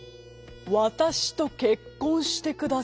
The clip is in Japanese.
「わたしとけっこんしてください」。